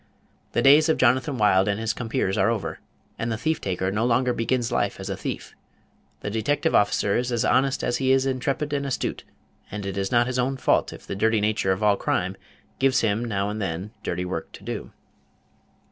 The days of Jonathan Wild and his compeers are over, and the thief taker no longer begins life as a thief. The detective officer is as honest as he is intrepid and astute, and it is not his own fault if the dirty nature of all crime gives him now and then dirty work to do.